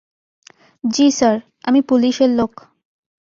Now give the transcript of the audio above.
জ্বি স্যার, আমি পুলিশের লোক।